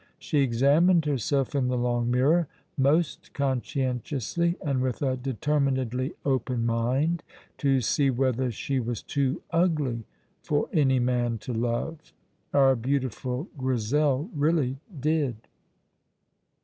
She examined herself in the long mirror most conscientiously, and with a determinedly open mind, to see whether she was too ugly for any man to love. Our beautiful Grizel really did.